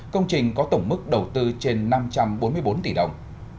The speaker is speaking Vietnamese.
công trình có tổng mức đầu tư trên năm trăm bốn mươi bốn tỷ đồng